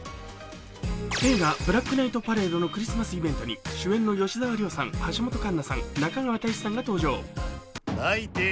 映画「ブラックナイトパレード」のクリスマスイベントに主演の吉沢亮さん、橋本環奈さん、中川大志さんが登場。